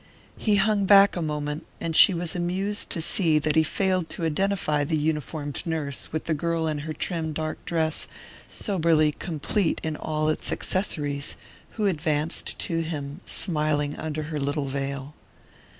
He hung back a moment, and she was amused to see that he failed to identify the uniformed nurse with the girl in her trim dark dress, soberly complete in all its accessories, who advanced to him, smiling under her little veil.